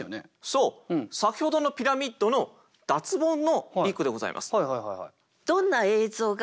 そう先ほどのピラミッドの脱ボンの一句でございます。